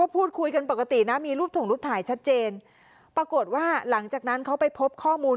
พูดคุยกันปกตินะมีรูปถงรูปถ่ายชัดเจนปรากฏว่าหลังจากนั้นเขาไปพบข้อมูล